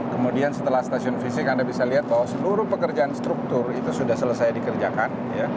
kemudian setelah stasiun fisik anda bisa lihat bahwa seluruh pekerjaan struktur itu sudah selesai dikerjakan